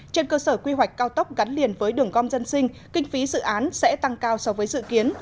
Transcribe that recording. trên cơ sở quy hoạch cao tốc gắn liền với đường gom dân sinh kinh phí dự án sẽ tăng cao so với dự kiến